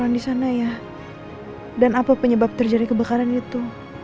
dan apa penyebab terjadi kebakaran itu